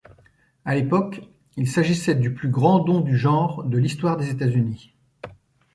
À l'époque, il s'agissait du plus grand don du genre de l'histoire des États-Unis.